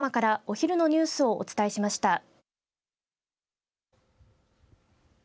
ここまで富山からお昼のニュースをお伝えしました。